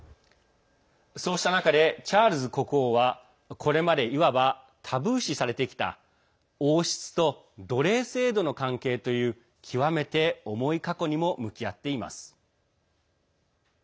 そうした中でチャールズ国王はこれまでいわばタブー視されてきた王室と奴隷制度の関係という極めて重い過去にも向き合っています。